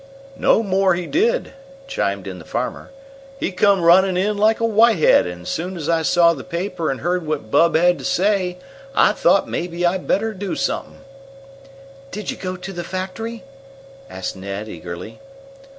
"No more he did," chimed in the farmer. "He come runnin' in like a whitehead, and as soon as I saw the paper and heard what Bub had to say, I thought maybe I'd better do somethin'." "Did you go to the factory?" asked Ned eagerly.